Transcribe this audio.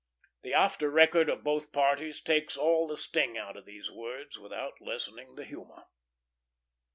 The after record of both parties takes all the sting out of these words, without lessening the humor.